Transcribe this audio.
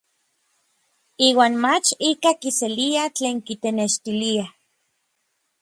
Iuan mach ikaj kiselia tlen kitenextilia.